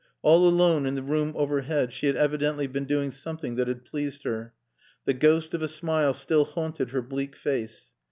All alone in the room overhead she had evidently been doing something that had pleased her. The ghost of a smile still haunted her bleak face.